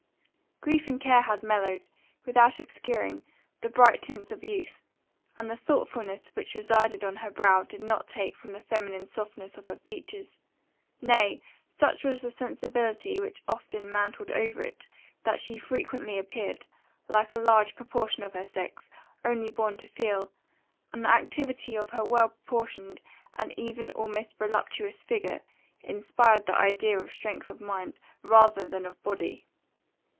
Grief and care had mellowed, without obscuring, the bright tints of youth, and the thoughtfulness which resided on her brow did not take from the feminine softness of her features; nay, such was the sensibility which often mantled over it, that she frequently appeared, like a large proportion of her sex, only born to feel; and the activity of her well proportioned, and even almost voluptuous figure, inspired the idea of strength of mind, rather than of body.